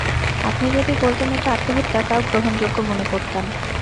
আপনি যদি বলতেন এটা আত্মহত্যা, তাও গ্রহণযোগ্য মনে করতাম।